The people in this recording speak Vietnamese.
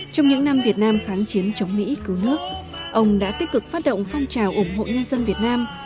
trong những năm việt nam kháng chiến chống mỹ cứu nước ông đã tích cực phát động phong trào ủng hộ nhân dân việt nam